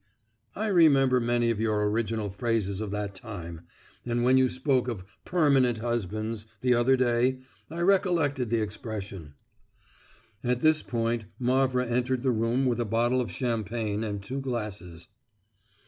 I remember many of your original phrases of that time, and when you spoke of 'permanent husbands,' the other day, I recollected the expression." At this point Mavra entered the room with a bottle of champagne and two glasses.